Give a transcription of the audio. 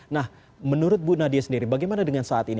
nah menurut bu nadia sendiri bagaimana dengan saat ini